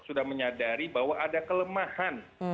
sudah menyadari bahwa ada kelemahan